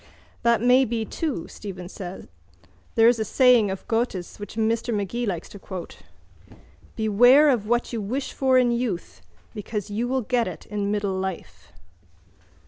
—That may be too, Stephen said. There's a saying of Goethe's which Mr Magee likes to quote. Beware of what you wish for in youth because you will get it in middle life.